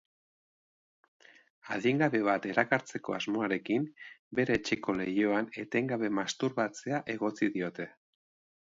Adingabe bat erakartzeko asmoarekin bere etxeko leihoan etengabe masturbatzea egotzi diote.